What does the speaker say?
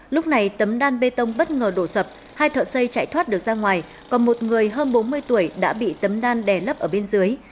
lúc này tấm đan bê tông bất ngờ đổ sập hai thợ xây chạy thoát được ra ngoài còn một người hơn bốn mươi tuổi đã bị tấm đan đè lấp ở bên dưới